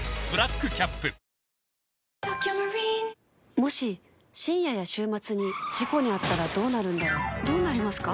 もし深夜や週末に事故に遭ったらどうなるんだろうどうなりますか？